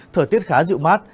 thời tiết khá dịu mát